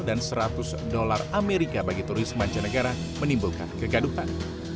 dan seratus dolar amerika bagi turis mancanegara menimbulkan kegaduhan